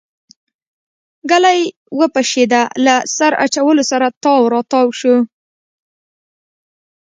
ګلی وپشېده له سر اچولو سره تاو راتاو شو.